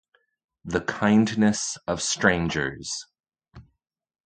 The Kindness of Strangers'.